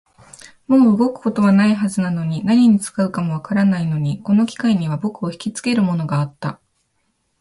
もう動くことはないはずなのに、何に使うかもわからないのに、この機械には僕をひきつけるものがあった